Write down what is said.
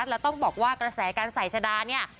แล้วต้องบอกว่ากระแสการใส่ชะดาเนี่ย